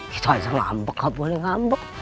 kita langsung ngambek gak boleh ngambek